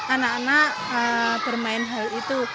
anak anak bermain hal itu